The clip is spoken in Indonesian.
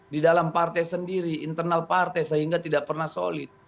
di dalam partai sendiri internal partai sehingga tidak pernah solid